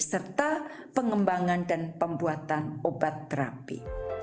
serta pengembangan dan pembuatan obat terapi